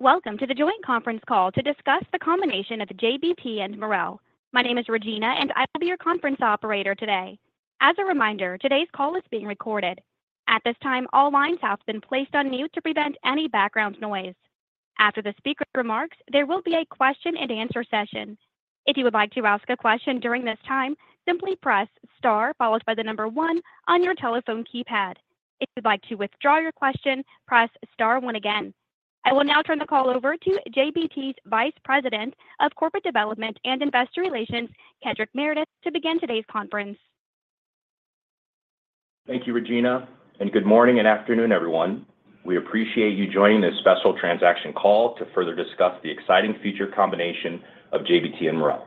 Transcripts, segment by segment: Welcome to the joint conference call to discuss the combination of JBT and Marel. My name is Regina, and I will be your conference operator today. As a reminder, today's call is being recorded. At this time, all lines have been placed on mute to prevent any background noise. After the speaker's remarks, there will be a question and answer session. If you would like to ask a question during this time, simply press star, followed by the number one on your telephone keypad. If you'd like to withdraw your question, press star one again. I will now turn the call over to JBT's Vice President of Corporate Development and Investor Relations, Kedric Meredith, to begin today's conference. Thank you, Regina, and good morning and afternoon, everyone. We appreciate you joining this special transaction call to further discuss the exciting future combination of JBT and Marel.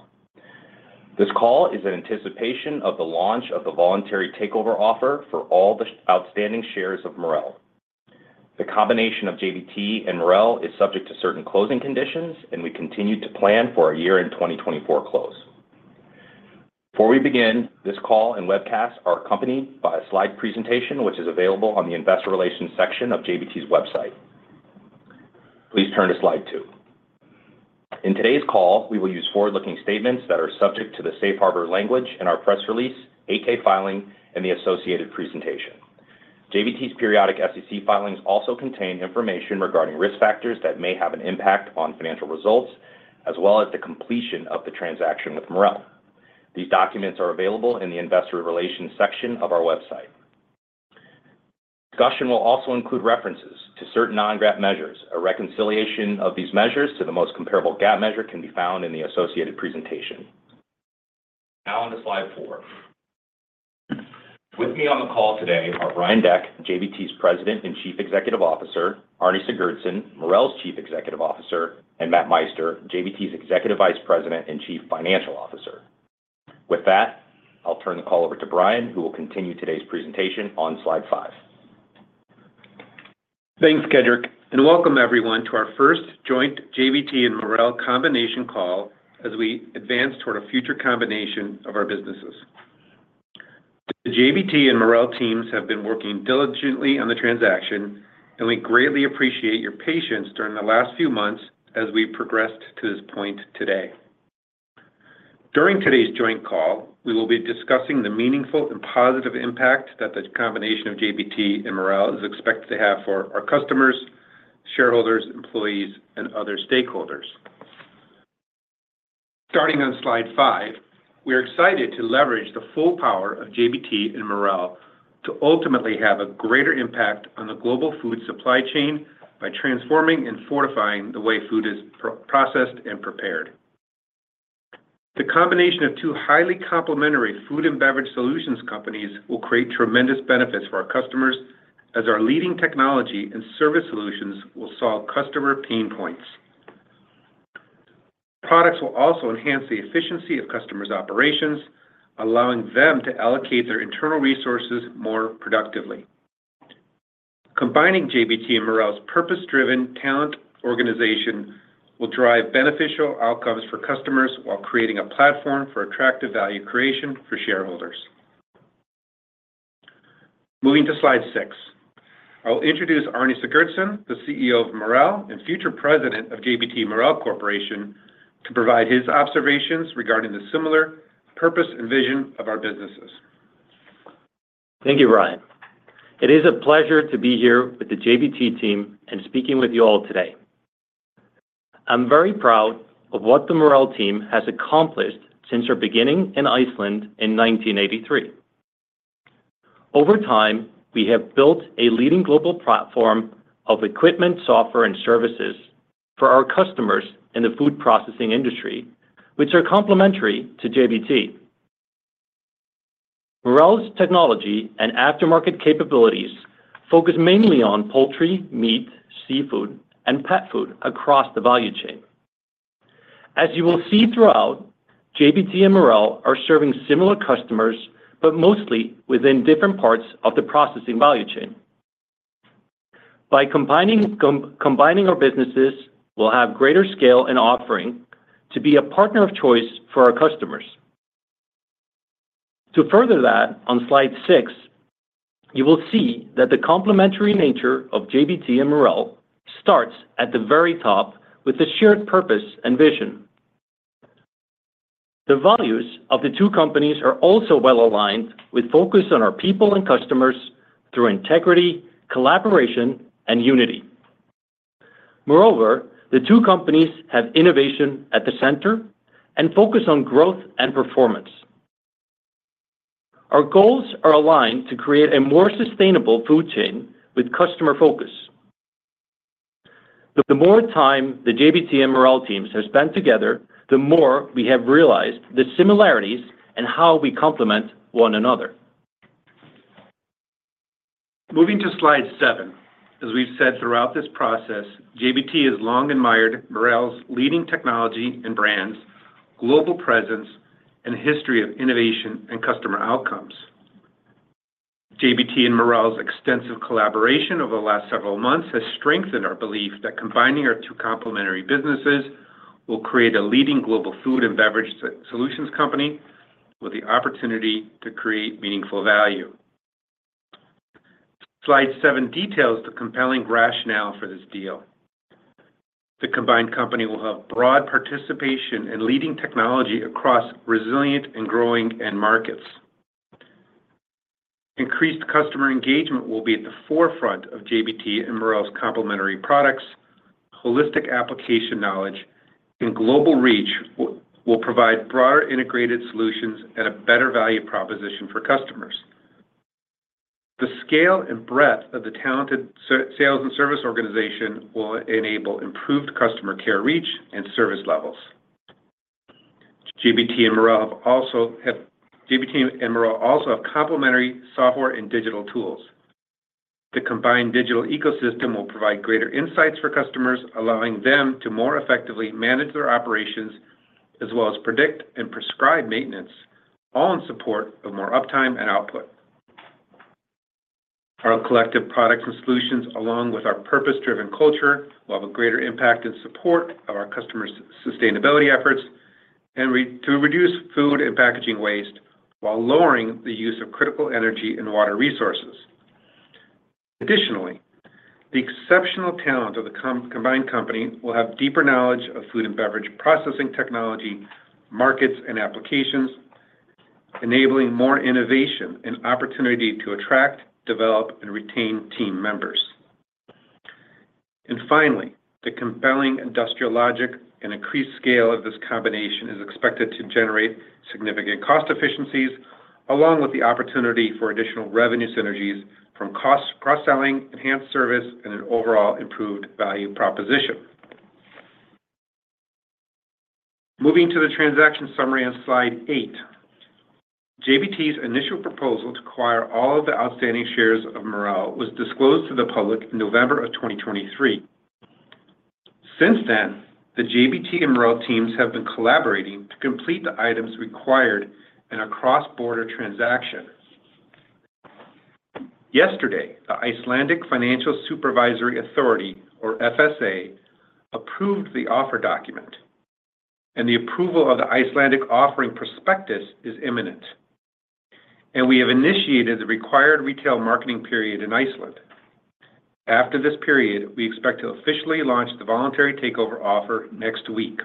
This call is in anticipation of the launch of the voluntary takeover offer for all the outstanding shares of Marel. The combination of JBT and Marel is subject to certain closing conditions, and we continue to plan for a year-end 2024 close. Before we begin, this call and webcast are accompanied by a slide presentation, which is available on the Investor Relations section of JBT's website. Please turn to slide two. In today's call, we will use forward-looking statements that are subject to the safe harbor language in our press release, 8-K filing, and the associated presentation. JBT's periodic SEC filings also contain information regarding risk factors that may have an impact on financial results, as well as the completion of the transaction with Marel. These documents are available in the Investor Relations section of our website. Discussion will also include references to certain non-GAAP measures. A reconciliation of these measures to the most comparable GAAP measure can be found in the associated presentation. Now on to slide four. With me on the call today are Brian Deck, JBT's President and Chief Executive Officer, Arni Sigurdsson, Marel's Chief Executive Officer, and Matt Meister, JBT's Executive Vice President and Chief Financial Officer. With that, I'll turn the call over to Brian, who will continue today's presentation on slide five. Thanks, Kedric, and welcome everyone to our first joint JBT and Marel combination call as we advance toward a future combination of our businesses. The JBT and Marel teams have been working diligently on the transaction, and we greatly appreciate your patience during the last few months as we progressed to this point today. During today's joint call, we will be discussing the meaningful and positive impact that the combination of JBT and Marel is expected to have for our customers, shareholders, employees, and other stakeholders. Starting on slide five, we are excited to leverage the full power of JBT and Marel to ultimately have a greater impact on the global food supply chain by transforming and fortifying the way food is processed and prepared. The combination of two highly complementary food and beverage solutions companies will create tremendous benefits for our customers as our leading technology and service solutions will solve customer pain points. Products will also enhance the efficiency of customers' operations, allowing them to allocate their internal resources more productively. Combining JBT and Marel's purpose-driven talent organization will drive beneficial outcomes for customers while creating a platform for attractive value creation for shareholders. Moving to slide six. I'll introduce Arni Sigurdsson, the CEO of Marel and future president of JBT Marel Corporation, to provide his observations regarding the similar purpose and vision of our businesses. Thank you, Brian. It is a pleasure to be here with the JBT team and speaking with you all today. I'm very proud of what the Marel team has accomplished since our beginning in Iceland in 1983. Over time, we have built a leading global platform of equipment, software, and services for our customers in the food processing industry, which are complementary to JBT. Marel's technology and aftermarket capabilities focus mainly on poultry, meat, seafood, and pet food across the value chain. As you will see throughout, JBT and Marel are serving similar customers, but mostly within different parts of the processing value chain. By combining our businesses, we'll have greater scale and offering to be a partner of choice for our customers. To further that, on slide six, you will see that the complementary nature of JBT and Marel starts at the very top with a shared purpose and vision. The values of the two companies are also well-aligned with focus on our people and customers through integrity, collaboration, and unity. Moreover, the two companies have innovation at the center and focus on growth and performance. Our goals are aligned to create a more sustainable food chain with customer focus. The more time the JBT and Marel teams have spent together, the more we have realized the similarities and how we complement one another. Moving to slide seven. As we've said throughout this process, JBT has long admired Marel's leading technology and brands, global presence, and history of innovation and customer outcomes. JBT and Marel's extensive collaboration over the last several months has strengthened our belief that combining our two complementary businesses will create a leading global food and beverage solutions company with the opportunity to create meaningful value. Slide seven details the compelling rationale for this deal. The combined company will have broad participation and leading technology across resilient and growing end markets. Increased customer engagement will be at the forefront of JBT and Marel's complementary products. Holistic application knowledge and global reach will provide broader integrated solutions at a better value proposition for customers. The scale and breadth of the talented sales and service organization will enable improved customer care reach and service levels. JBT and Marel also have complementary software and digital tools. The combined digital ecosystem will provide greater insights for customers, allowing them to more effectively manage their operations, as well as predict and prescribe maintenance, all in support of more uptime and output. Our collective products and solutions, along with our purpose-driven culture, will have a greater impact in support of our customers' sustainability efforts, to reduce food and packaging waste while lowering the use of critical energy and water resources. Additionally, the exceptional talent of the combined company will have deeper knowledge of food and beverage processing technology, markets, and applications, enabling more innovation and opportunity to attract, develop, and retain team members. Finally, the compelling industrial logic and increased scale of this combination is expected to generate significant cost efficiencies, along with the opportunity for additional revenue synergies from cross-selling, enhanced service, and an overall improved value proposition. Moving to the transaction summary on slide eight. JBT's initial proposal to acquire all of the outstanding shares of Marel was disclosed to the public in November 2023. Since then, the JBT and Marel teams have been collaborating to complete the items required in a cross-border transaction. Yesterday, the Icelandic Financial Supervisory Authority or FSA, approved the offer document, and the approval of the Icelandic offering prospectus is imminent. We have initiated the required retail marketing period in Iceland. After this period, we expect to officially launch the voluntary takeover offer next week.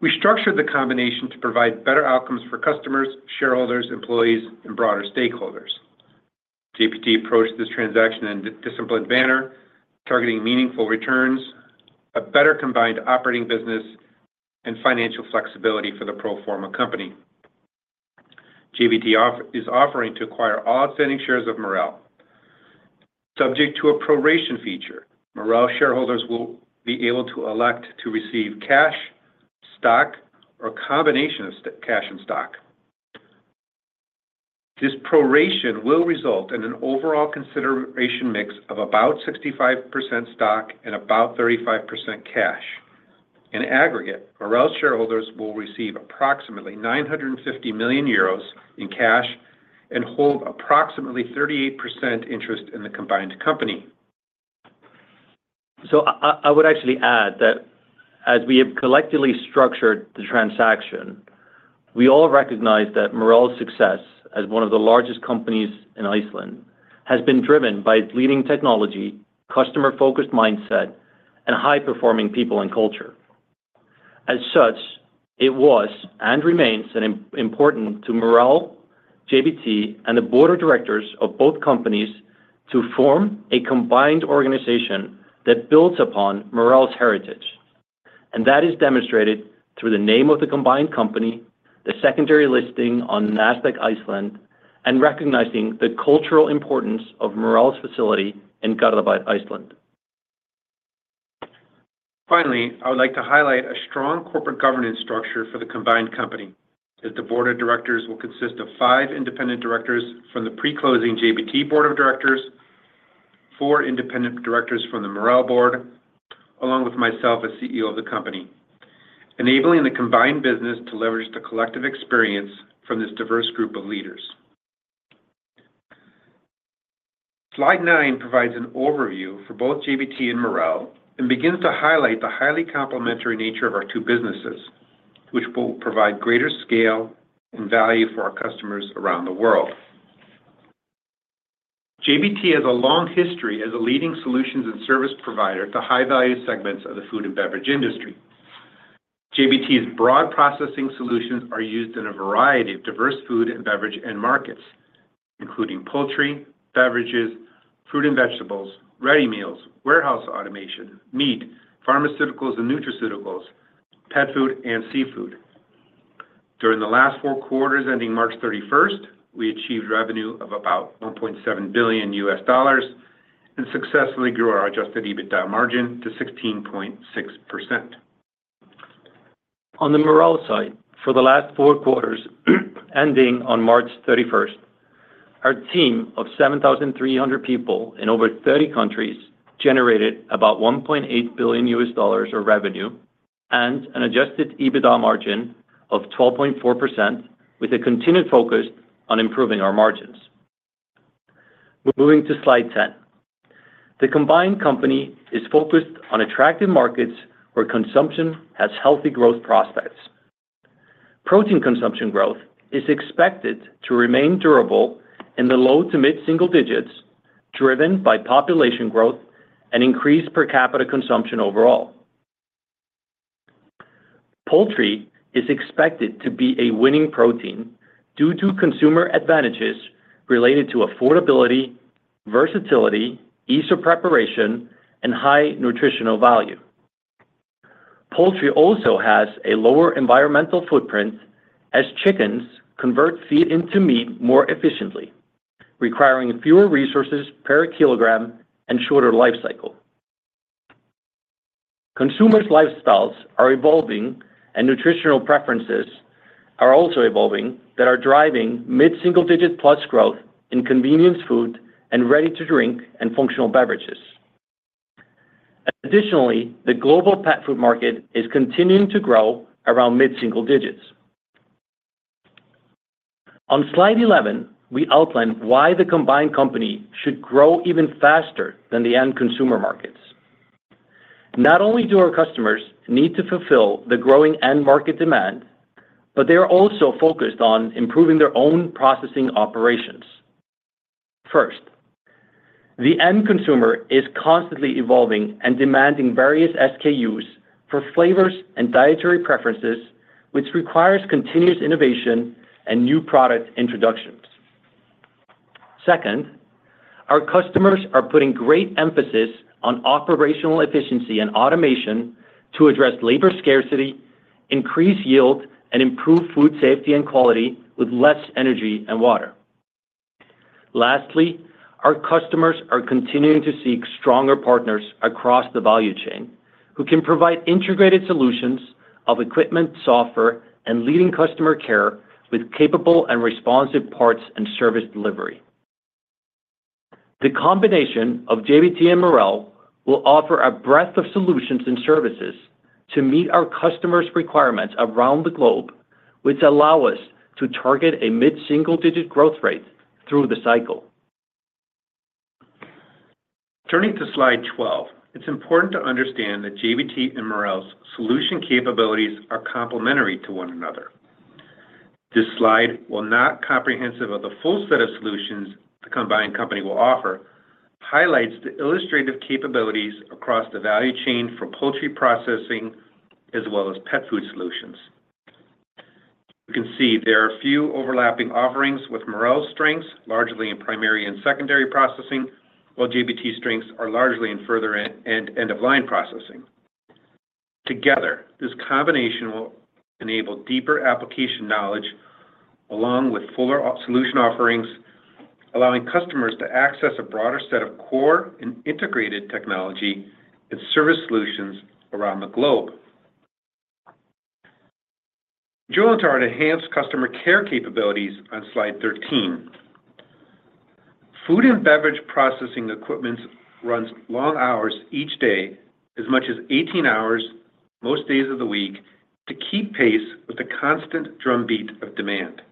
We structured the combination to provide better outcomes for customers, shareholders, employees, and broader stakeholders. JBT approached this transaction in a disciplined manner, targeting meaningful returns, a better combined operating business, and financial flexibility for the pro forma company. JBT is offering to acquire all outstanding shares of Marel. Subject to a proration feature, Marel shareholders will be able to elect to receive cash, stock, or a combination of cash and stock. This proration will result in an overall consideration mix of about 65% stock and about 35% cash. In aggregate, Marel's shareholders will receive approximately 950 million euros in cash and hold approximately 38% interest in the combined company. So I would actually add that as we have collectively structured the transaction, we all recognize that Marel's success as one of the largest companies in Iceland has been driven by its leading technology, customer-focused mindset, and high-performing people and culture. As such, it was, and remains, an important to Marel, JBT, and the board of directors of both companies to form a combined organization that builds upon Marel's heritage, and that is demonstrated through the name of the combined company, the secondary listing on Nasdaq Iceland, and recognizing the cultural importance of Marel's facility in Garðabær, Iceland. Finally, I would like to highlight a strong corporate governance structure for the combined company, that the board of directors will consist of five independent directors from the pre-closing JBT board of directors, four independent directors from the Marel board, along with myself as CEO of the company, enabling the combined business to leverage the collective experience from this diverse group of leaders. Slide nine provides an overview for both JBT and Marel and begins to highlight the highly complementary nature of our two businesses, which will provide greater scale and value for our customers around the world. JBT has a long history as a leading solutions and service provider to high-value segments of the food and beverage industry. JBT's broad processing solutions are used in a variety of diverse food and beverage end markets, including poultry, beverages, fruit and vegetables, ready meals, warehouse automation, meat, pharmaceuticals and nutraceuticals, pet food, and seafood. During the last four quarters ending March 31st, we achieved revenue of about $1.7 billion and successfully grew our adjusted EBITDA margin to 16.6%. On the Marel side, for the last four quarters, ending on March 31st, our team of 7,300 people in over 30 countries generated about $1.8 billion of revenue and an adjusted EBITDA margin of 12.4%, with a continued focus on improving our margins. We're moving to slide 10. The combined company is focused on attractive markets where consumption has healthy growth prospects. Protein consumption growth is expected to remain durable in the low to mid-single digits, driven by population growth and increased per capita consumption overall. Poultry is expected to be a winning protein due to consumer advantages related to affordability, versatility, ease of preparation, and high nutritional value. Poultry also has a lower environmental footprint as chickens convert feed into meat more efficiently, requiring fewer resources per kilogram and shorter life cycle. Consumers' lifestyles are evolving, and nutritional preferences are also evolving that are driving mid-single-digit plus growth in convenience food and ready-to-drink and functional beverages. Additionally, the global pet food market is continuing to grow around mid-single digits. On slide 11, we outline why the combined company should grow even faster than the end consumer markets. Not only do our customers need to fulfill the growing end market demand, but they are also focused on improving their own processing operations. First, the end consumer is constantly evolving and demanding various SKUs for flavors and dietary preferences, which requires continuous innovation and new product introductions. Second, our customers are putting great emphasis on operational efficiency and automation to address labor scarcity, increase yield, and improve food safety and quality with less energy and water. Lastly, our customers are continuing to seek stronger partners across the value chain, who can provide integrated solutions of equipment, software, and leading customer care with capable and responsive parts and service delivery. The combination of JBT and Marel will offer a breadth of solutions and services to meet our customers' requirements around the globe, which allow us to target a mid-single-digit growth rate through the cycle. Turning to slide 12, it's important to understand that JBT and Marel's solution capabilities are complementary to one another. This slide, while not comprehensive of the full set of solutions the combined company will offer, highlights the illustrative capabilities across the value chain for poultry processing, as well as pet food solutions. You can see there are a few overlapping offerings, with Marel's strengths largely in primary and secondary processing, while JBT's strengths are largely in further and end-of-line processing. Together, this combination will enable deeper application knowledge along with fuller solution offerings, allowing customers to access a broader set of core and integrated technology and service solutions around the globe. Due to our enhanced customer care capabilities on slide 13. Food and beverage processing equipment runs long hours each day, as much as 18 hours, most days of the week, to keep pace with the constant drumbeat of demand.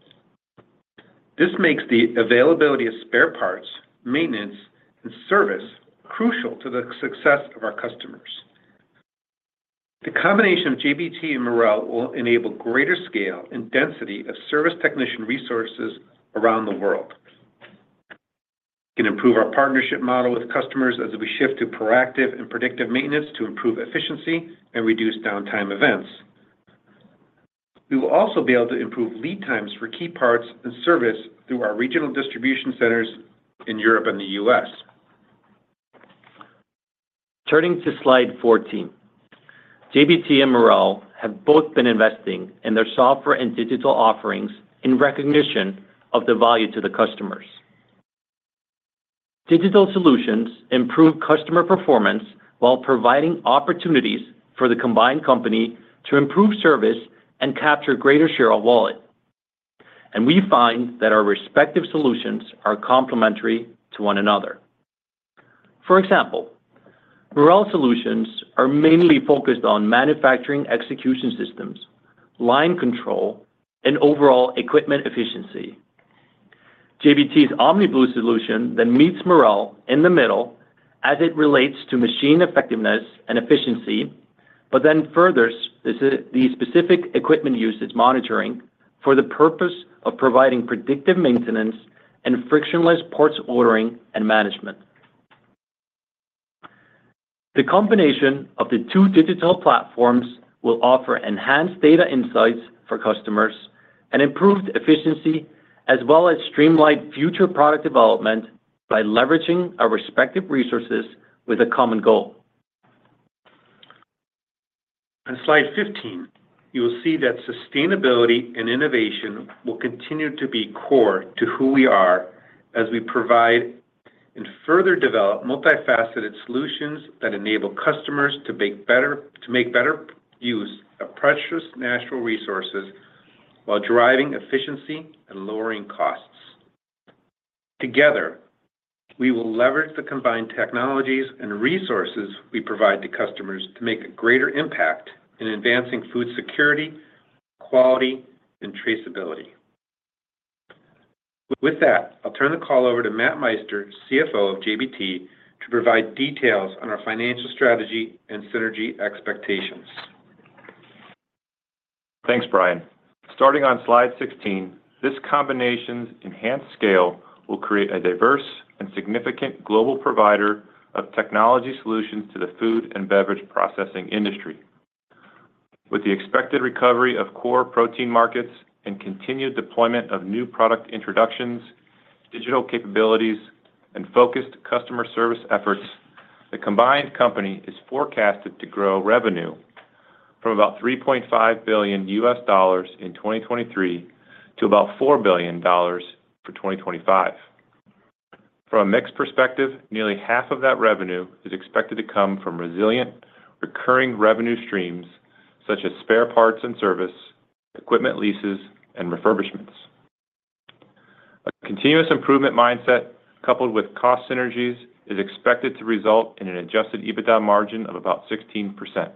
This makes the availability of spare parts, maintenance, and service crucial to the success of our customers. The combination of JBT and Marel will enable greater scale and density of service technician resources around the world. We can improve our partnership model with customers as we shift to proactive and predictive maintenance to improve efficiency and reduce downtime events. We will also be able to improve lead times for key parts and service through our regional distribution centers in Europe and the U.S. Turning to slide 14, JBT and Marel have both been investing in their software and digital offerings in recognition of the value to the customers. Digital solutions improve customer performance while providing opportunities for the combined company to improve service and capture greater share of wallet. We find that our respective solutions are complementary to one another. For example, Marel solutions are mainly focused on manufacturing execution systems, line control, and overall equipment efficiency. JBT's OmniBlu solution then meets Marel in the middle as it relates to machine effectiveness and efficiency, but then furthers the the specific equipment usage monitoring for the purpose of providing predictive maintenance and frictionless parts ordering and management. The combination of the two digital platforms will offer enhanced data insights for customers and improved efficiency, as well as streamlined future product development by leveraging our respective resources with a common goal. On slide 15, you will see that sustainability and innovation will continue to be core to who we are as we provide and further develop multifaceted solutions that enable customers to make better, to make better use of precious natural resources while driving efficiency and lowering costs. Together, we will leverage the combined technologies and resources we provide to customers to make a greater impact in advancing food security, quality, and traceability. With that, I'll turn the call over to Matt Meister, CFO of JBT, to provide details on our financial strategy and synergy expectations. Thanks, Brian. Starting on slide 16, this combination's enhanced scale will create a diverse and significant global provider of technology solutions to the food and beverage processing industry. With the expected recovery of core protein markets and continued deployment of new product introductions, digital capabilities, and focused customer service efforts, the combined company is forecasted to grow revenue from about $3.5 billion in 2023 to about $4 billion for 2025. From a mixed perspective, nearly half of that revenue is expected to come from resilient, recurring revenue streams, such as spare parts and service, equipment leases, and refurbishments. A continuous improvement mindset, coupled with cost synergies, is expected to result in an adjusted EBITDA margin of about 16%.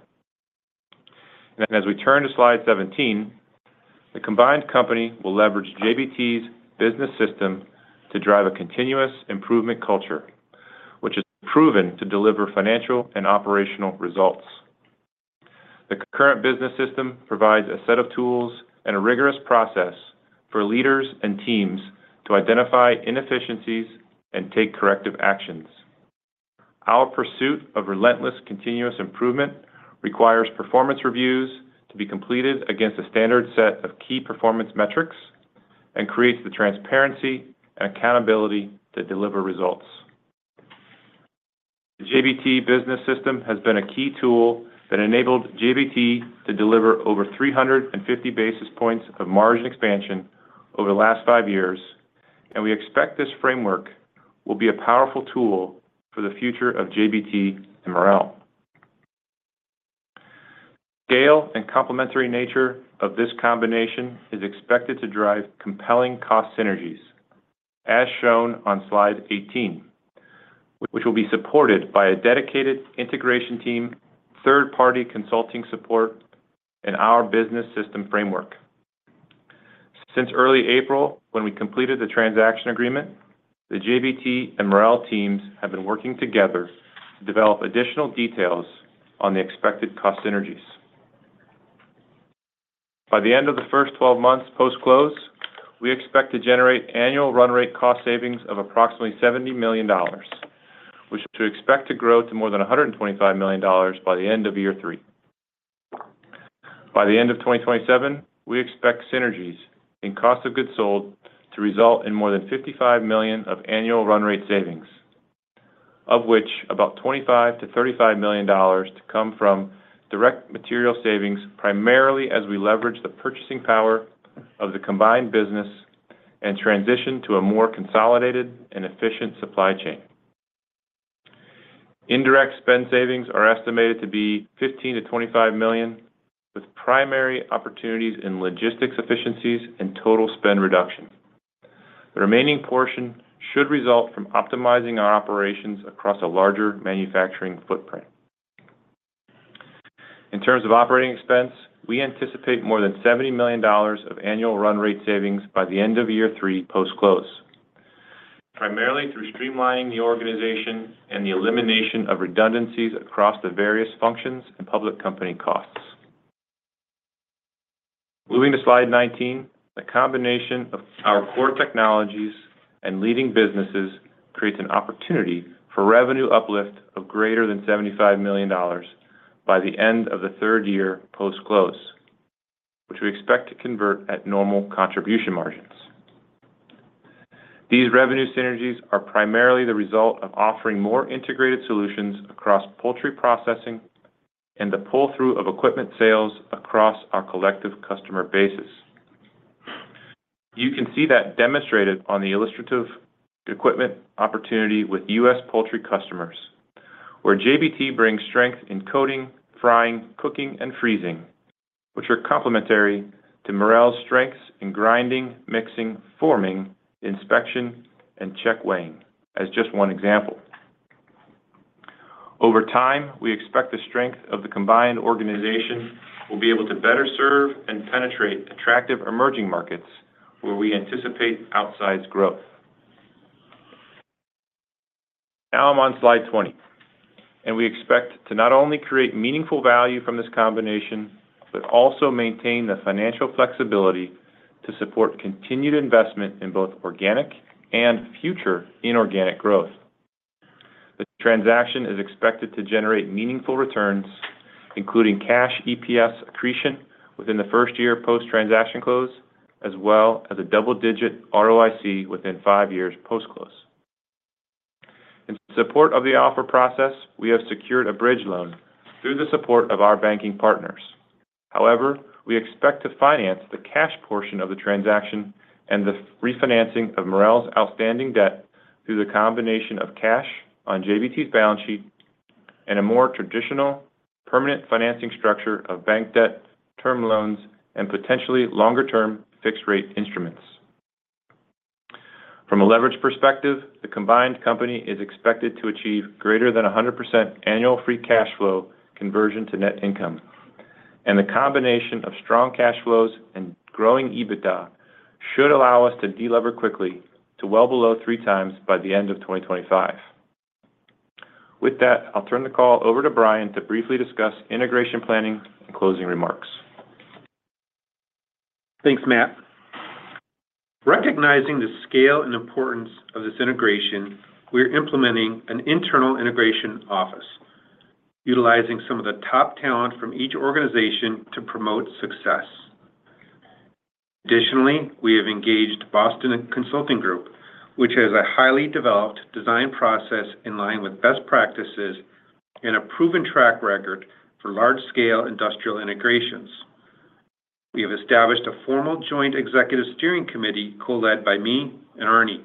As we turn to slide 17, the combined company will leverage JBT's business system to drive a continuous improvement culture, which is proven to deliver financial and operational results. The current business system provides a set of tools and a rigorous process for leaders and teams to identify inefficiencies and take corrective actions. Our pursuit of relentless continuous improvement requires performance reviews to be completed against a standard set of key performance metrics and creates the transparency and accountability to deliver results. The JBT business system has been a key tool that enabled JBT to deliver over 350 basis points of margin expansion over the last 5 years, and we expect this framework will be a powerful tool for the future of JBT and Marel. Scale and complementary nature of this combination is expected to drive compelling cost synergies, as shown on slide 18, which will be supported by a dedicated integration team, third-party consulting support, and our business system framework. Since early April, when we completed the transaction agreement, the JBT and Marel teams have been working together to develop additional details on the expected cost synergies. By the end of the first 12 months post-close, we expect to generate annual run rate cost savings of approximately $70 million, which we expect to grow to more than $125 million by the end of year three. By the end of 2027, we expect synergies in cost of goods sold to result in more than $55 million of annual run rate savings, of which about $25 million-$35 million to come from direct material savings, primarily as we leverage the purchasing power of the combined business and transition to a more consolidated and efficient supply chain. Indirect spend savings are estimated to be $15 million-$25 million, with primary opportunities in logistics efficiencies and total spend reduction. The remaining portion should result from optimizing our operations across a larger manufacturing footprint. In terms of operating expense, we anticipate more than $70 million of annual run rate savings by the end of year three post-close, primarily through streamlining the organization and the elimination of redundancies across the various functions and public company costs. Moving to slide 19, the combination of our core technologies and leading businesses creates an opportunity for revenue uplift of greater than $75 million by the end of the third year post-close, which we expect to convert at normal contribution margins. These revenue synergies are primarily the result of offering more integrated solutions across poultry processing and the pull-through of equipment sales across our collective customer bases. You can see that demonstrated on the illustrative equipment opportunity with U.S. poultry customers, where JBT brings strength in coating, frying, cooking, and freezing, which are complementary to Marel's strengths in grinding, mixing, forming, inspection, and checkweighing, as just one example. Over time, we expect the strength of the combined organization will be able to better serve and penetrate attractive emerging markets where we anticipate outsized growth. Now I'm on slide 20, and we expect to not only create meaningful value from this combination, but also maintain the financial flexibility to support continued investment in both organic and future inorganic growth. The transaction is expected to generate meaningful returns, including cash EPS accretion within the first year post-transaction close, as well as a double-digit ROIC within five years post-close. In support of the offer process, we have secured a bridge loan through the support of our banking partners. However, we expect to finance the cash portion of the transaction and the refinancing of Marel's outstanding debt through the combination of cash on JBT's balance sheet and a more traditional permanent financing structure of bank debt, term loans, and potentially longer-term fixed rate instruments. From a leverage perspective, the combined company is expected to achieve greater than 100% annual free cash flow conversion to net income. The combination of strong cash flows and growing EBITDA should allow us to delever quickly to well below 3x by the end of 2025. With that, I'll turn the call over to Brian to briefly discuss integration planning and closing remarks. Thanks, Matt. Recognizing the scale and importance of this integration, we're implementing an internal integration office, utilizing some of the top talent from each organization to promote success. Additionally, we have engaged Boston Consulting Group, which has a highly developed design process in line with best practices and a proven track record for large-scale industrial integrations. We have established a formal joint executive steering committee, co-led by me and Arni.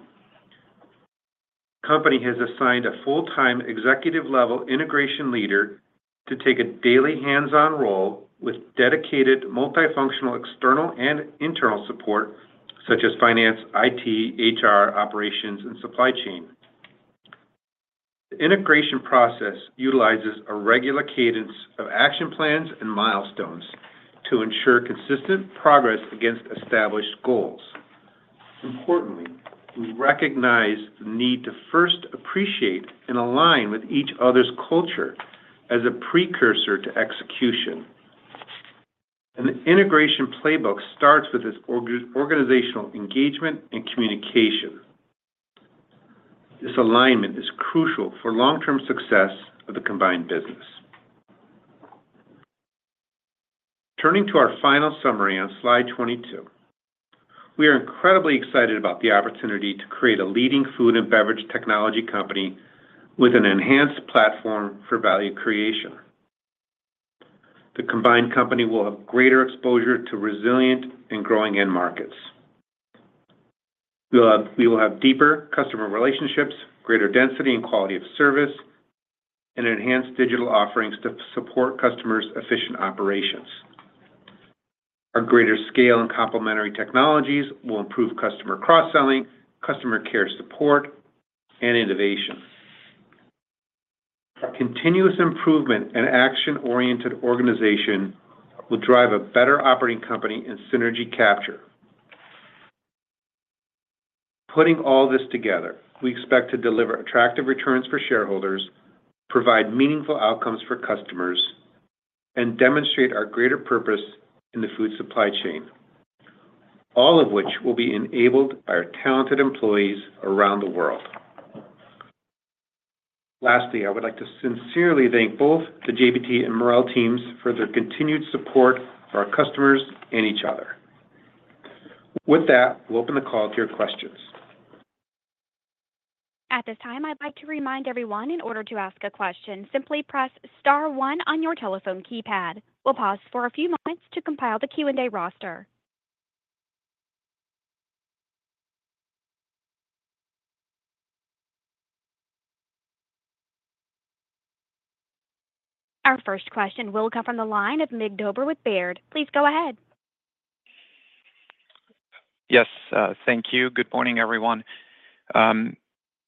Company has assigned a full-time executive-level integration leader to take a daily hands-on role with dedicated multifunctional, external, and internal support, such as finance, IT, HR, operations, and supply chain. The integration process utilizes a regular cadence of action plans and milestones to ensure consistent progress against established goals. Importantly, we recognize the need to first appreciate and align with each other's culture as a precursor to execution. The integration playbook starts with this organizational engagement and communication. This alignment is crucial for long-term success of the combined business. Turning to our final summary on slide 22. We are incredibly excited about the opportunity to create a leading food and beverage technology company with an enhanced platform for value creation. The combined company will have greater exposure to resilient and growing end markets. We will have deeper customer relationships, greater density and quality of service, and enhanced digital offerings to support customers' efficient operations. Our greater scale and complementary technologies will improve customer cross-selling, customer care support, and innovation. A continuous improvement and action-oriented organization will drive a better operating company and synergy capture. Putting all this together, we expect to deliver attractive returns for shareholders, provide meaningful outcomes for customers, and demonstrate our greater purpose in the food supply chain, all of which will be enabled by our talented employees around the world. Lastly, I would like to sincerely thank both the JBT and Marel teams for their continued support for our customers and each other. With that, we'll open the call to your questions. At this time, I'd like to remind everyone, in order to ask a question, simply press star one on your telephone keypad. We'll pause for a few moments to compile the Q&A roster. Our first question will come from the line of Mig Dobre with Baird. Please go ahead. Yes, thank you. Good morning, everyone.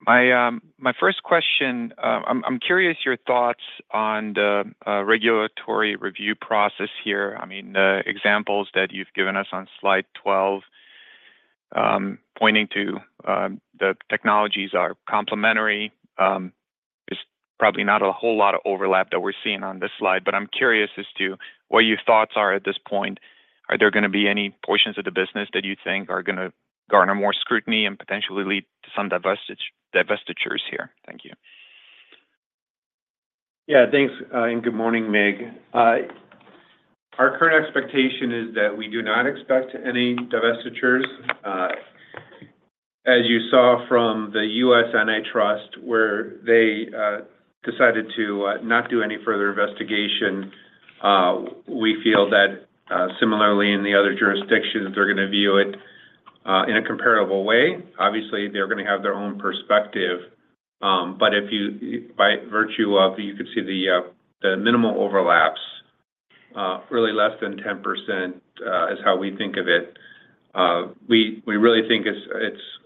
My first question, I'm curious your thoughts on the regulatory review process here. I mean, the examples that you've given us on slide 12, pointing to the technologies are complementary, there's probably not a whole lot of overlap that we're seeing on this slide, but I'm curious as to what your thoughts are at this point. Are there gonna be any portions of the business that you think are gonna garner more scrutiny and potentially lead to some divestitures here? Thank you. Yeah, thanks, and good morning, Mig. Our current expectation is that we do not expect any divestitures. As you saw from the U.S. antitrust, where they decided to not do any further investigation, we feel that similarly in the other jurisdictions, they're gonna view it in a comparable way. Obviously, they're gonna have their own perspective, but if you, by virtue of, you could see the minimal overlaps, really less than 10%, is how we think of it. We really think it's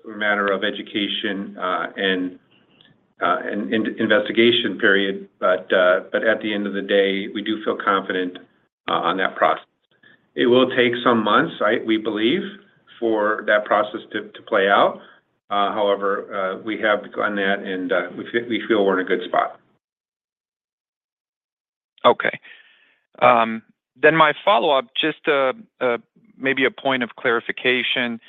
a matter of education and investigation period, but at the end of the day, we do feel confident on that process. It will take some months, we believe, for that process to play out. However, we have gone that, and we feel we're in a good spot. Okay. Then my follow-up, just a maybe a point of clarification.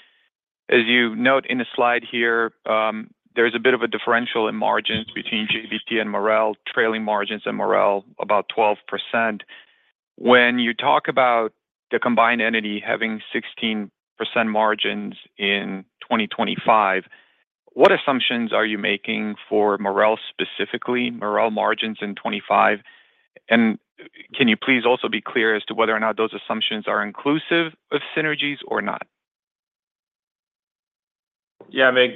As you note in the slide here, there's a bit of a differential in margins between JBT and Marel, trailing margins and Marel, about 12%. When you talk about the combined entity having 16% margins in 2025, what assumptions are you making for Marel, specifically, Marel margins in 2025? And can you please also be clear as to whether or not those assumptions are inclusive of synergies or not? Yeah, Mig,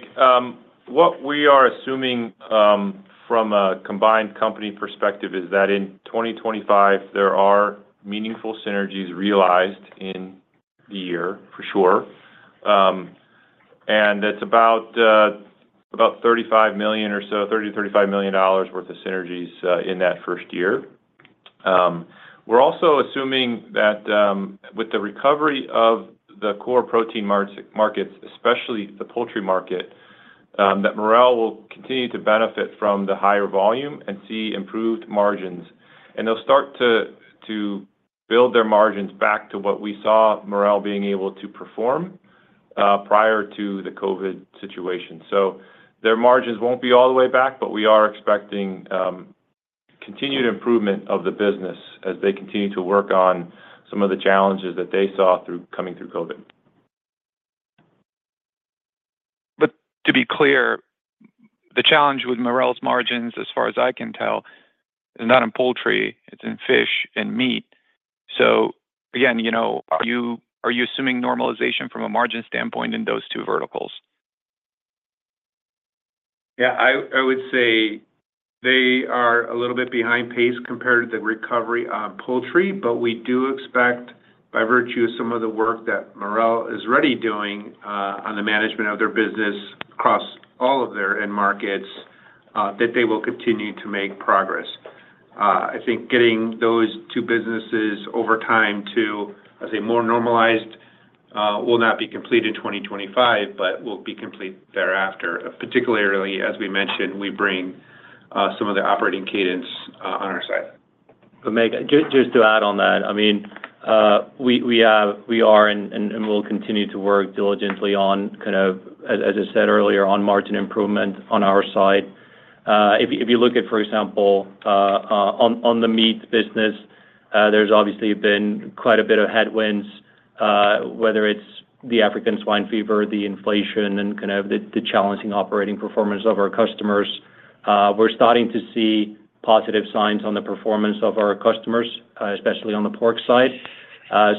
what we are assuming, from a combined company perspective is that in 2025, there are meaningful synergies realized in the year, for sure. It's about 35 million or so, $30 million-$35 million worth of synergies in that first year. We're also assuming that with the recovery of the core protein markets, especially the poultry market, that Marel will continue to benefit from the higher volume and see improved margins. And they'll start to build their margins back to what we saw Marel being able to perform prior to the COVID situation. So their margins won't be all the way back, but we are expecting continued improvement of the business as they continue to work on some of the challenges that they saw through coming through COVID. But to be clear, the challenge with Marel's margins, as far as I can tell, is not in poultry, it's in fish and meat. So again, you know, are you, are you assuming normalization from a margin standpoint in those two verticals? Yeah, I would say they are a little bit behind pace compared to the recovery on poultry, but we do expect, by virtue of some of the work that Marel is already doing, on the management of their business across all of their end markets, that they will continue to make progress. I think getting those two businesses over time to, I'd say, more normalized, will not be complete in 2025, but will be complete thereafter. Particularly, as we mentioned, we bring, some of the operating cadence, on our side. But Mig, just to add on that, I mean, we are and will continue to work diligently on kind of, as I said earlier, on margin improvement on our side. If you look at, for example, on the meat business, there's obviously been quite a bit of headwinds, whether it's the African swine fever, the inflation, and kind of the challenging operating performance of our customers. We're starting to see positive signs on the performance of our customers, especially on the pork side.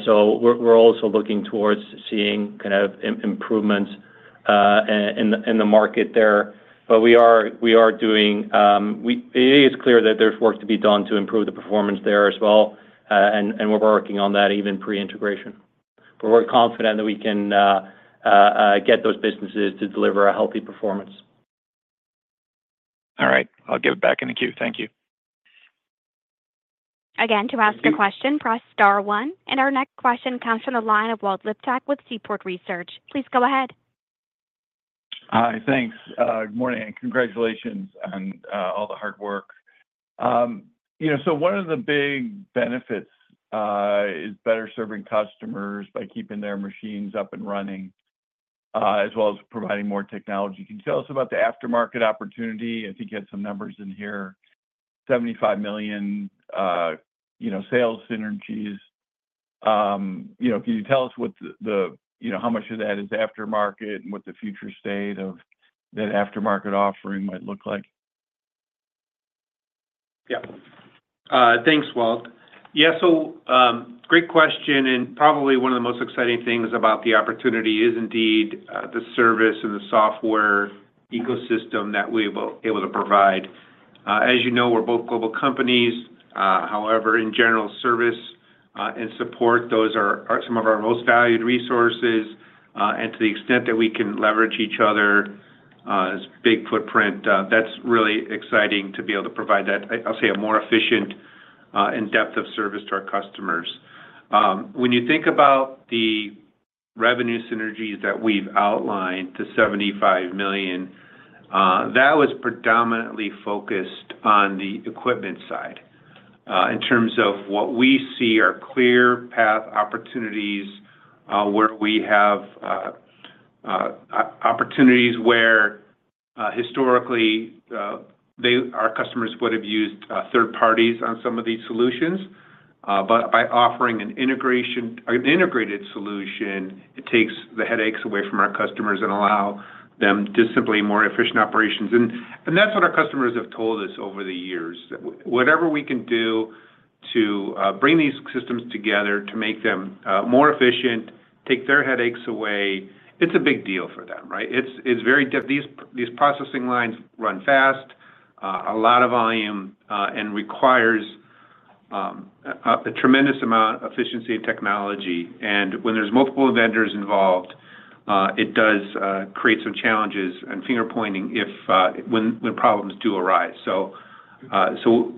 So we're also looking towards seeing kind of improvements in the market there. But we are doing. It is clear that there's work to be done to improve the performance there as well, and we're working on that even pre-integration. But we're confident that we can get those businesses to deliver a healthy performance. All right. I'll give it back in the queue. Thank you. Again, to ask a question, press star one. Our next question comes from the line of Walt Liptak with Seaport Research. Please go ahead. Hi. Thanks, good morning, and congratulations on all the hard work. You know, so one of the big benefits is better serving customers by keeping their machines up and running as well as providing more technology. Can you tell us about the aftermarket opportunity? I think you had some numbers in here, $75 million, you know, sales synergies. You know, can you tell us what the you know, how much of that is aftermarket and what the future state of that aftermarket offering might look like? Yeah. Thanks, Walt. Yeah, so, great question, and probably one of the most exciting things about the opportunity is indeed the service and the software ecosystem that we're able to provide. As you know, we're both global companies, however, in general, service and support, those are some of our most valued resources. And to the extent that we can leverage each other, our big footprint, that's really exciting to be able to provide that, I'll say, a more efficient and in-depth service to our customers. When you think about the revenue synergies that we've outlined to $75 million, that was predominantly focused on the equipment side. In terms of what we see are clear path opportunities, where we have opportunities where, historically, our customers would have used third parties on some of these solutions. But by offering an integrated solution, it takes the headaches away from our customers and allow them to simply more efficient operations. And that's what our customers have told us over the years. That whatever we can do to bring these systems together to make them more efficient, take their headaches away, it's a big deal for them, right? It's very diff-- These processing lines run fast, a lot of volume, and requires a tremendous amount of efficiency and technology. And when there's multiple vendors involved, it does create some challenges and finger pointing if. When problems do arise. So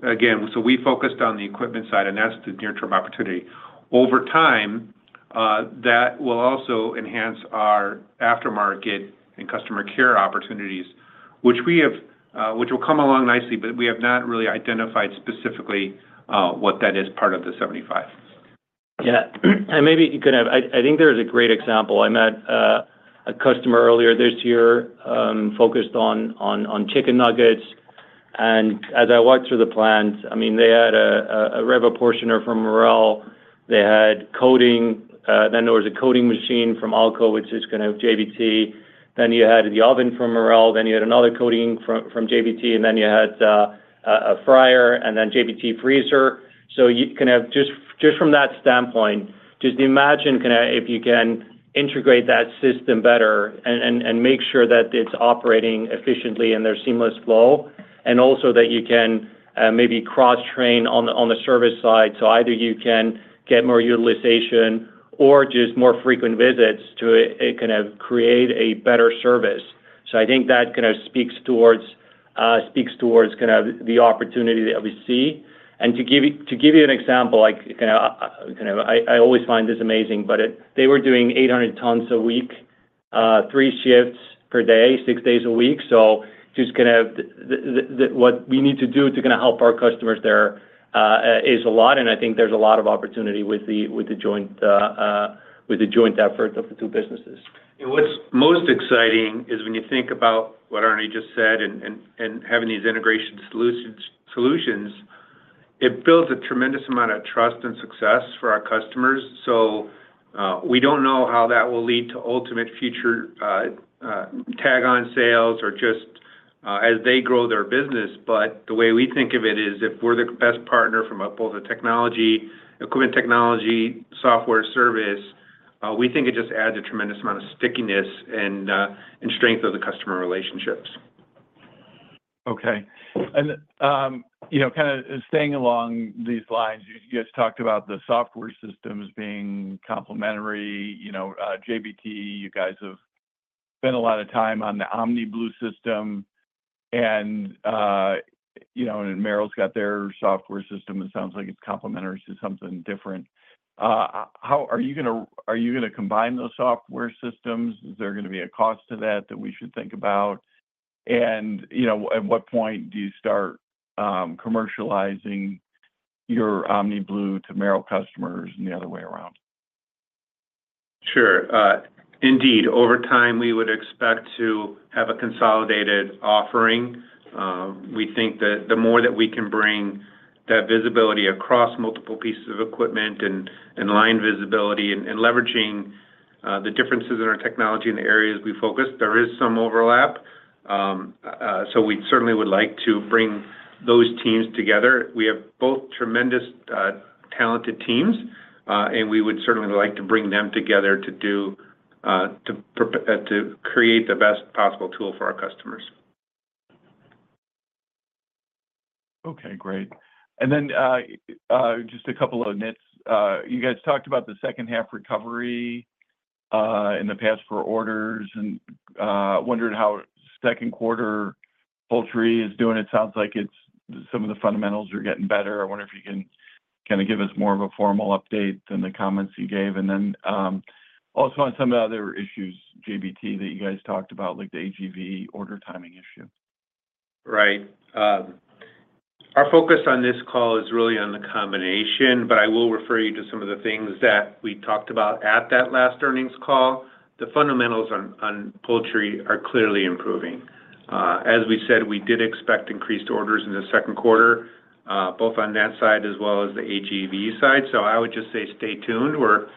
again, we focused on the equipment side, and that's the near-term opportunity. Over time, that will also enhance our aftermarket and customer care opportunities, which we have, which will come along nicely, but we have not really identified specifically what that is part of the $75 million. Yeah, and maybe you could have, I think there is a great example. I met a customer earlier this year, focused on chicken nuggets. And as I walked through the plant, I mean, they had a RevoPortioner from Marel. They had coating, then there was a coating machine from Alco, which is kind of JBT. Then you had the oven from Marel, then you had another coating from JBT, and then you had a fryer and then JBT freezer. So you kind of just from that standpoint, just imagine kind of if you can integrate that system better and make sure that it's operating efficiently and there's seamless flow and also that you can maybe cross-train on the service side. So either you can get more utilization or just more frequent visits to it, kind of, create a better service. So I think that kind of speaks towards kind of the opportunity that we see. And to give you an example, like, kind of, I always find this amazing, but it, they were doing 800 tons a week, three shifts per day, six days a week. So just kind of what we need to do to kinda help our customers there is a lot, and I think there's a lot of opportunity with the joint effort of the two businesses. And what's most exciting is when you think about what Arni just said and having these integration solutions, it builds a tremendous amount of trust and success for our customers. So, we don't know how that will lead to ultimate future tag-on sales or just as they grow their business. But the way we think of it is, if we're the best partner from both a technology, equipment technology, software, service, we think it just adds a tremendous amount of stickiness and strength of the customer relationships. Okay. And, you know, kinda staying along these lines, you just talked about the software systems being complementary. You know, JBT, you guys have spent a lot of time on the OmniBlu system, and, you know, and Marel's got their software system. It sounds like it's complementary to something different. Are you gonna, are you gonna combine those software systems? Is there gonna be a cost to that, that we should think about? And, you know, at what point do you start, commercializing your OmniBlu to Marel customers and the other way around? Sure. Indeed, over time, we would expect to have a consolidated offering. We think that the more that we can bring that visibility across multiple pieces of equipment and line visibility and leveraging the differences in our technology and the areas we focus, there is some overlap. So we certainly would like to bring those teams together. We have both tremendous, talented teams, and we would certainly like to bring them together to create the best possible tool for our customers. Okay, great. And then, just a couple of nits. You guys talked about the second half recovery, in the past for orders and wondered how second quarter poultry is doing. It sounds like it's, some of the fundamentals are getting better. I wonder if you can kinda give us more of a formal update than the comments you gave. And then, also on some of the other issues, JBT, that you guys talked about, like the AGV order timing issue. Right. Our focus on this call is really on the combination, but I will refer you to some of the things that we talked about at that last earnings call. The fundamentals on poultry are clearly improving. As we said, we did expect increased orders in the second quarter, both on that side as well as the AGV side. So I would just say stay tuned. We're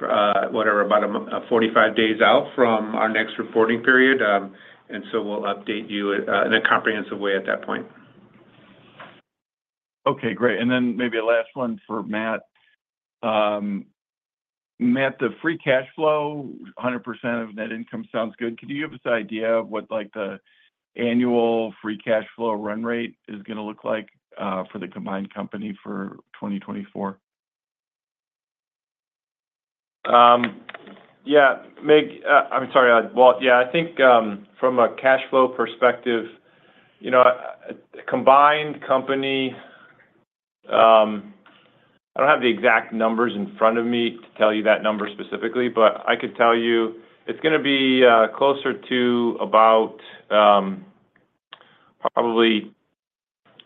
about 45 days out from our next reporting period, and so we'll update you in a comprehensive way at that point. Okay, great. And then maybe a last one for Matt. Matt, the free cash flow, 100% of net income sounds good. Could you give us an idea of what, like, the annual free cash flow run rate is gonna look like, for the combined company for 2024? Yeah, Mig, I'm sorry, Walt. Yeah, I think, from a cash flow perspective, you know, combined company, I don't have the exact numbers in front of me to tell you that number specifically, but I could tell you it's gonna be closer to about probably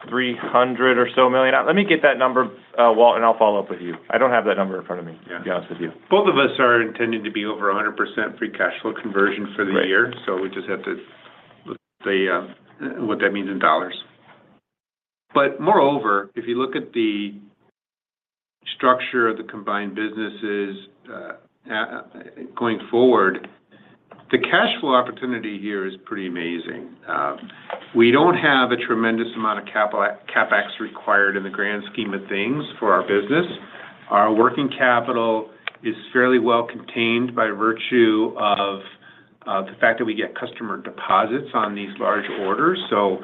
$300 million or so. Let me get that number, Walt, and I'll follow up with you. I don't have that number in front of me. Yeah. To be honest with you. Both of us are intending to be over 100% free cash flow conversion for the year. Right. So we just have to say what that means in dollars. But moreover, if you look at the structure of the combined businesses going forward, the cash flow opportunity here is pretty amazing. We don't have a tremendous amount of capital CapEx required in the grand scheme of things for our business. Our working capital is fairly well contained by virtue of the fact that we get customer deposits on these large orders. So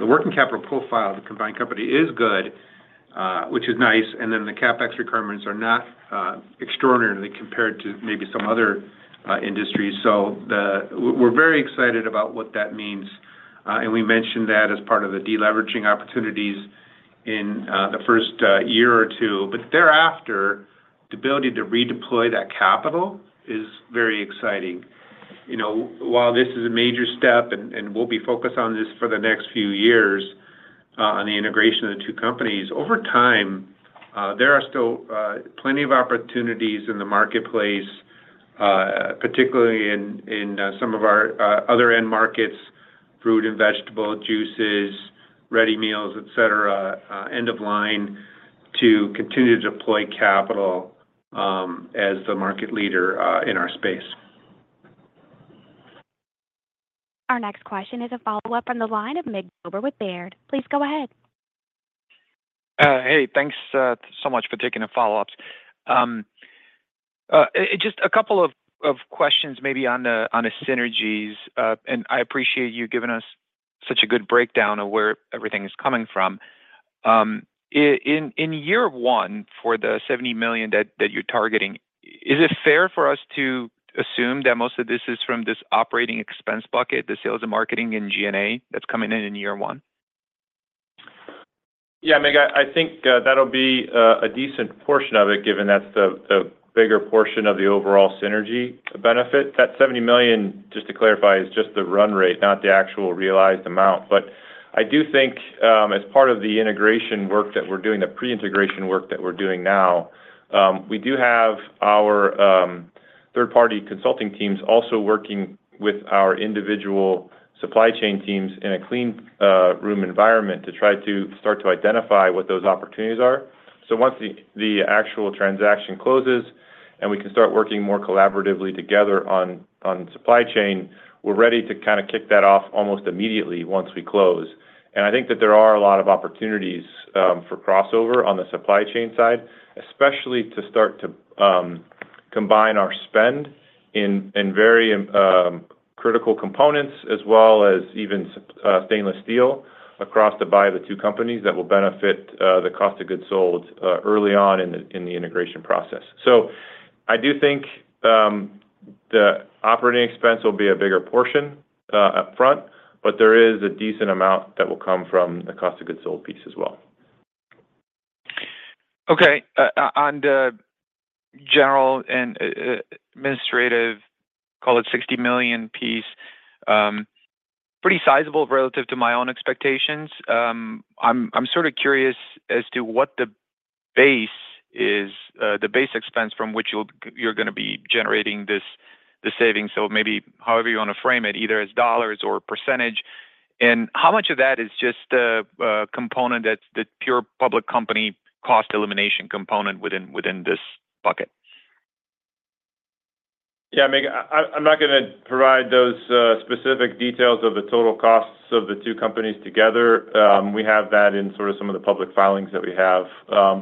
the working capital profile of the combined company is good, which is nice, and then the CapEx requirements are not extraordinarily compared to maybe some other industries. So we're very excited about what that means, and we mentioned that as part of the deleveraging opportunities in the first year or two. But thereafter, the ability to redeploy that capital is very exciting. You know, while this is a major step, and we'll be focused on this for the next few years on the integration of the two companies. Over time, there are still plenty of opportunities in the marketplace, particularly in some of our other end markets, fruit and vegetable, juices, ready meals, et cetera, end of line, to continue to deploy capital as the market leader in our space. Our next question is a follow-up from the line of Mig Dobre with Baird. Please go ahead. Hey, thanks so much for taking the follow-ups. It's just a couple of questions maybe on the synergies. And I appreciate you giving us such a good breakdown of where everything is coming from. In year one for the $70 million that you're targeting, is it fair for us to assume that most of this is from this operating expense bucket, the sales and marketing in G&A that's coming in in year one? Yeah, Mig, I think that'll be a decent portion of it, given that's the bigger portion of the overall synergy benefit. That $70 million, just to clarify, is just the run rate, not the actual realized amount. But I do think, as part of the integration work that we're doing, the pre-integration work that we're doing now, we do have our third-party consulting teams also working with our individual supply chain teams in a clean room environment to try to start to identify what those opportunities are. So once the actual transaction closes and we can start working more collaboratively together on supply chain, we're ready to kind of kick that off almost immediately once we close. I think that there are a lot of opportunities for crossover on the supply chain side, especially to start to combine our spend in very critical components, as well as even stainless steel across the buy of the two companies that will benefit the cost of goods sold early on in the integration process. So I do think the operating expense will be a bigger portion up front, but there is a decent amount that will come from the cost of goods sold piece as well. Okay. On the general and administrative, call it $60 million piece, pretty sizable relative to my own expectations. I'm sort of curious as to what the base is, the base expense from which you're gonna be generating this, the savings. So maybe however you want to frame it, either as dollars or percentage. And how much of that is just a component that's the pure public company cost elimination component within this bucket? Yeah, Mig, I'm not gonna provide those specific details of the total costs of the two companies together. We have that in sort of some of the public filings that we have.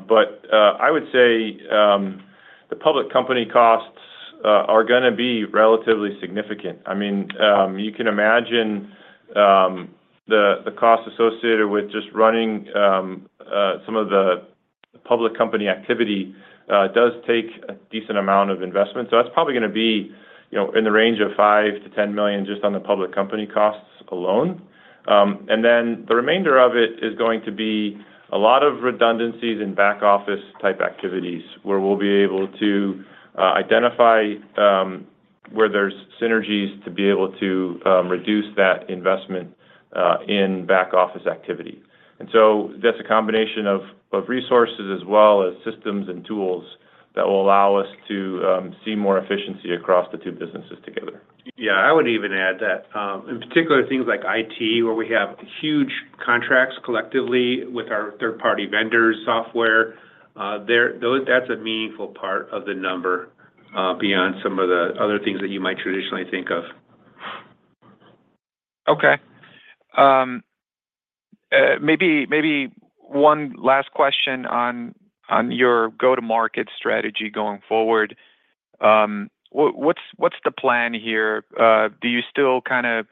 But I would say the public company costs are gonna be relatively significant. I mean, you can imagine the cost associated with just running some of the public company activity does take a decent amount of investment. So that's probably gonna be, you know, in the range of $5 million-$10 million just on the public company costs alone. And then the remainder of it is going to be a lot of redundancies and back office type activities, where we'll be able to identify where there's synergies to be able to reduce that investment in back office activity. And so that's a combination of resources as well as systems and tools that will allow us to see more efficiency across the two businesses together. Yeah, I would even add that, in particular, things like IT, where we have huge contracts collectively with our third-party vendors, software, that's a meaningful part of the number, beyond some of the other things that you might traditionally think of. Okay. Maybe one last question on your go-to-market strategy going forward. What’s the plan here? Do you still kinda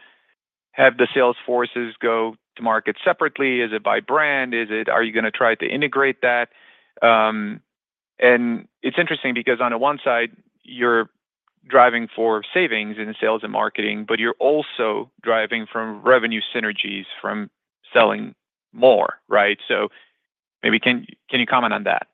have the sales forces go to market separately? Is it by brand? Is it, are you gonna try to integrate that? And it's interesting because on the one side, you're driving for savings in sales and marketing, but you're also driving from revenue synergies from selling more, right? So maybe can you comment on that?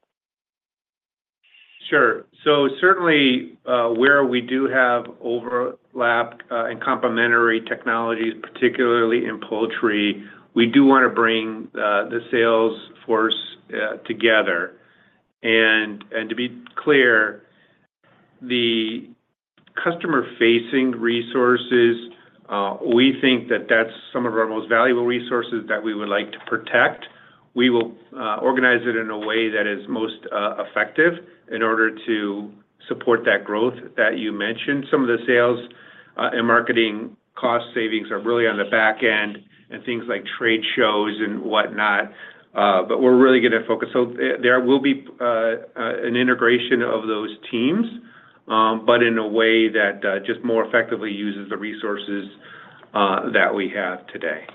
Sure. So certainly, where we do have overlap and complementary technologies, particularly in poultry, we do want to bring the sales force together. And to be clear, the customer-facing resources, we think that that's some of our most valuable resources that we would like to protect. We will organize it in a way that is most effective in order to support that growth that you mentioned. Some of the sales and marketing cost savings are really on the back end and things like trade shows and whatnot, but we're really gonna focus. So there will be an integration of those teams, but in a way that just more effectively uses the resources that we have today.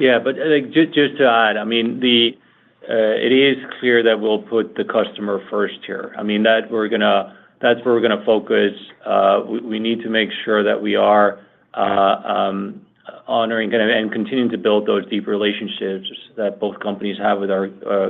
Yeah, but I think just to add, I mean, it is clear that we'll put the customer first here. I mean, that we're gonna—that's where we're gonna focus. We need to make sure that we are honoring and continuing to build those deep relationships that both companies have with our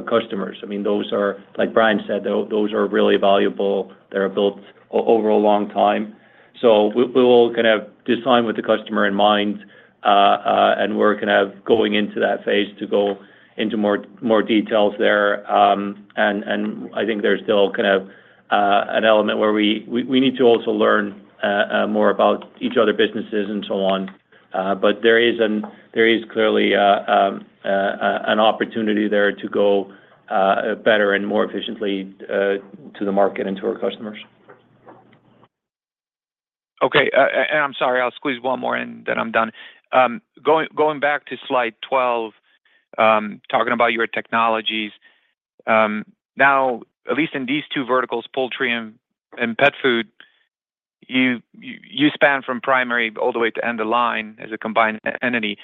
customers. I mean, those are, like Brian said, those are really valuable. They're built over a long time. So we will kind of design with the customer in mind, and we're kind of going into that phase to go into more details there. And I think there's still kind of an element where we need to also learn more about each other businesses and so on. But there is clearly an opportunity there to go better and more efficiently to the market and to our customers. Okay, and I'm sorry, I'll squeeze one more in, then I'm done. Going back to slide 12, talking about your technologies. Now, at least in these two verticals, poultry and pet food, you span from primary all the way to end of line as a combined entity.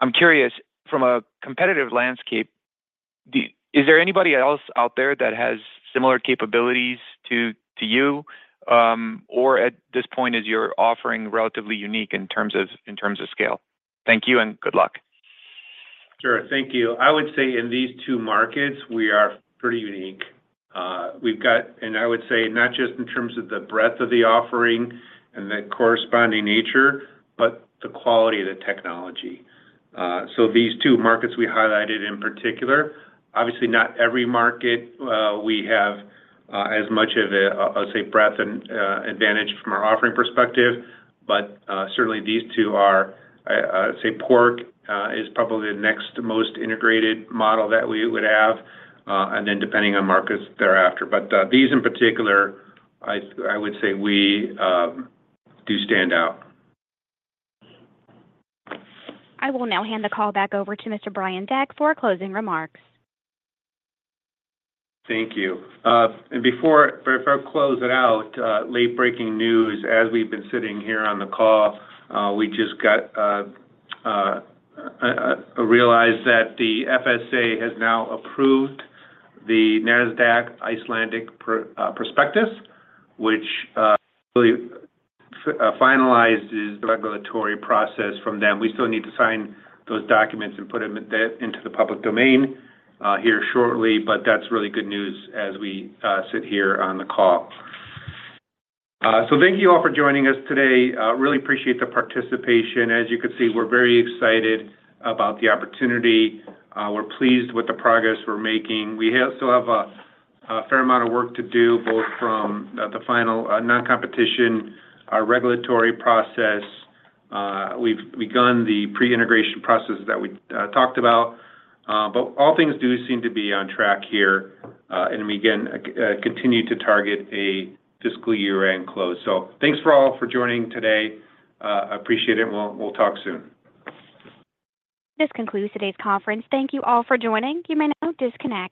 I'm curious, from a competitive landscape, is there anybody else out there that has similar capabilities to you? Or at this point, is your offering relatively unique in terms of scale? Thank you, and good luck. Sure. Thank you. I would say in these two markets, we are pretty unique. We've got, I would say not just in terms of the breadth of the offering and the corresponding nature, but the quality of the technology. So these two markets we highlighted in particular, obviously, not every market we have as much of a breadth and advantage from our offering perspective, but certainly these two are, say, pork is probably the next most integrated model that we would have, and then depending on markets thereafter. But these in particular, I would say we do stand out. I will now hand the call back over to Mr. Brian Deck for closing remarks. Thank you. And before I close it out, late-breaking news as we've been sitting here on the call, we just realized that the FSA has now approved the Nasdaq Icelandic prospectus, which really finalizes the regulatory process from them. We still need to sign those documents and put them into the public domain here shortly, but that's really good news as we sit here on the call. So thank you all for joining us today. Really appreciate the participation. As you can see, we're very excited about the opportunity. We're pleased with the progress we're making. We still have a fair amount of work to do, both from the final noncompetition regulatory process. We've begun the pre-integration process that we talked about, but all things do seem to be on track here. Again, continue to target a fiscal year-end close. Thanks for all for joining today, appreciate it, and we'll talk soon. This concludes today's conference. Thank you all for joining. You may now disconnect.